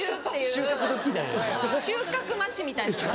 収穫待ちみたいな。